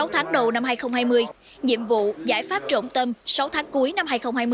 sáu tháng đầu năm hai nghìn hai mươi nhiệm vụ giải pháp trộm tâm sáu tháng cuối năm hai nghìn hai mươi